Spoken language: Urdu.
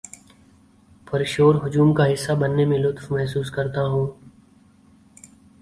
پر شور ہجوم کا حصہ بننے میں لطف محسوس کرتا ہوں